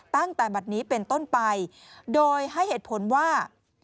ตั้งแต่บัตรนี้เป็นต้นไปโดยให้เหตุผลว่า